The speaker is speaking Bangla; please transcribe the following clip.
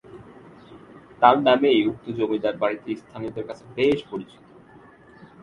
তার নামেই উক্ত জমিদার বাড়িটি স্থানীয়দের কাছে বেশ পরিচিত।